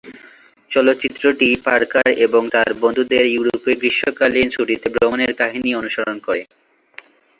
চলচ্চিত্রটি পার্কার এবং তার বন্ধুদের ইউরোপে গ্রীষ্মকালীন ছুটিতে ভ্রমণের কাহিনী অনুসরণ করে।